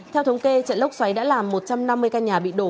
theo thống kê trận lốc xoáy đã làm một trăm năm mươi căn nhà bị đổ